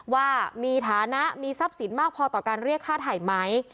ว่ามีฐานะมีทรัพย์สินมากพอต่อการเรียกค่าถ่ายไหม